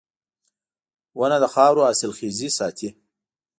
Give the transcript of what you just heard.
• ونه د خاورو حاصلخېزي ساتي.